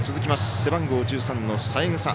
背番号１３の三枝。